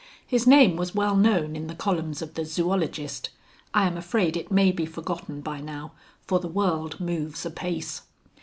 His name was well known in the columns of the Zoologist (I am afraid it may be forgotten by now, for the world moves apace).